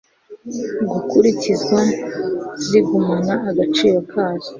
gukurikizwa zigumana agaciro kazo